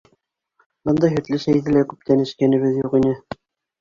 Бындай һөтлө сәйҙе лә күптән эскәнебеҙ юҡ ине.